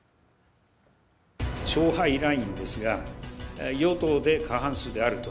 勝敗ラインですが、与党で過半数であると。